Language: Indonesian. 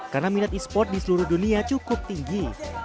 karena minat e sport di seluruh dunia cukup tinggi